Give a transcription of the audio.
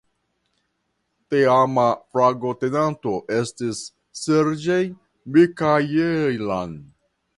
Teama flagotenanto estis "Sergej Mikajeljan".